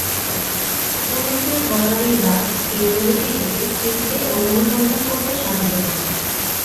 পুরুষদের গলার এই ডাক এই প্রজাতিটিকে চিনতে ও অনুসন্ধান করতে সাহায্য করে।